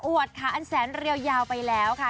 วดค่ะอันแสนเรียวยาวไปแล้วค่ะ